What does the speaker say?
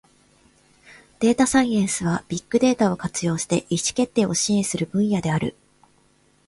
データサイエンスは、ビッグデータを活用して意思決定を支援する分野である。